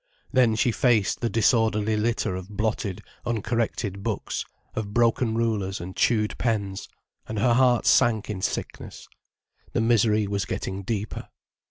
Then she faced the disorderly litter of blotted, uncorrected books, of broken rulers and chewed pens. And her heart sank in sickness. The misery was getting deeper.